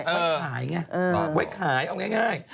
ไว้ขายไงไว้ขายเอาง่าย